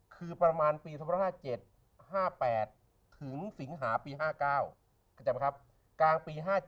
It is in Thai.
คือประมาณปี๑๙๕๗๕๘ถึงสิงหาภาคปี๕๙